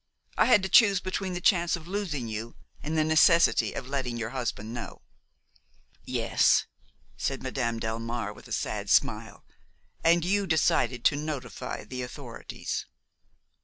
I had to choose between the chance of losing you and the necessity of letting your husband know." "Yes," said Madame Delmare, with a sad smile, "and you decided to notify the authorities."